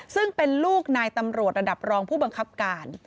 ซึ่งเป็นลูกนายตำรวจระดับรองผู้บังคับการ